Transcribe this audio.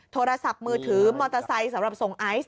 โทรศัพท์มือถือมอเตอร์ไซค์สำหรับส่งไอซ์